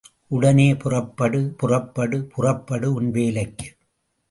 உடனே புறப்படு, புறப்படு, புறப்படு உன் வேலைக்கு.